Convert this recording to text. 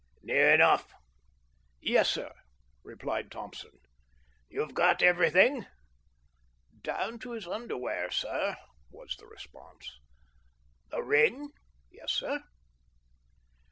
"Near enough." "Yes, sir," replied Thompson. "You've got everything?" "Down to his under wear, sir," was the response. "The ring?" "Yes, sir."